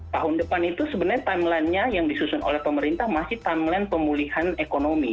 tahun depan itu sebenarnya timeline nya yang disusun oleh pemerintah masih timeline pemulihan ekonomi